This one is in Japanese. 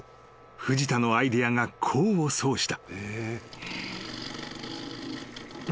藤田のアイデアが功を奏した］